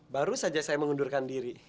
baru saja saya mengundurkan diri